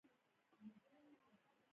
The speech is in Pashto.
ښارونه د افغان کلتور په داستانونو کې راځي.